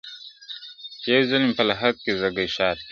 چي یو ځل مي په لحد کي زړګی ښاد کي؛